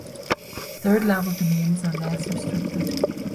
Third level domains are less restricted.